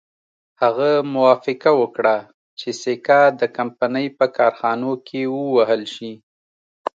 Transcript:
هغه موافقه وکړه چې سکه د کمپنۍ په کارخانو کې ووهل شي.